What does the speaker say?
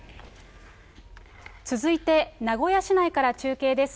続いて、名古屋市内から中継です。